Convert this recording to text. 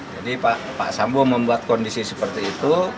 jadi pak sambu membuat kondisi seperti itu